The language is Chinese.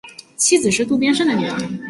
妻子是渡边胜的女儿。